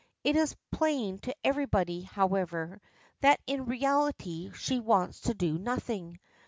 It is plain to everybody, however, that in reality she wants to do nothing.